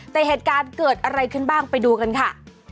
แต่เหตุการณ์เกิดอะไรขึ้นบ้างไปดูกันค่ะ